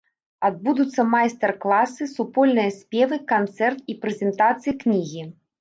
Адбудуцца майстар-класы, супольныя спевы, канцэрт і прэзентацыя кнігі.